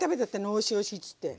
おいしいおいしいっつって。